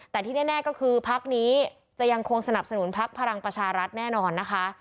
แต่ที่แน่ก็คือพักนี้จะยังคงสนับสนุนพักพลังประชารัฐแน่นอนนะคะ